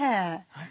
はい。